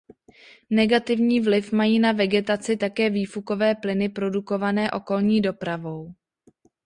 Negativní vliv mají na vegetaci také výfukové plyny produkované okolní dopravou.